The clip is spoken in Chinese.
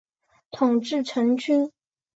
统制陈宧。